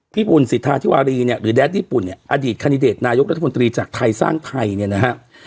บุญสิทธาธิวารีเนี่ยหรือแดดญี่ปุ่นเนี่ยอดีตคันดิเดตนายกรัฐมนตรีจากไทยสร้างไทยเนี่ยนะฮะ